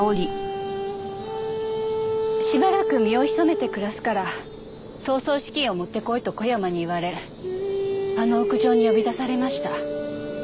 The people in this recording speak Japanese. しばらく身を潜めて暮らすから逃走資金を持ってこいと小山に言われあの屋上に呼び出されました。